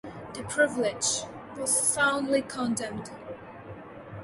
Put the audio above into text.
The "privilege" was soundly condemned.